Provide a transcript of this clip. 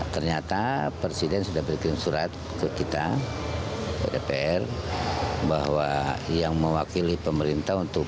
ternyata presiden sudah berkirim surat ke kita ke dpr bahwa yang mewakili pemerintah untuk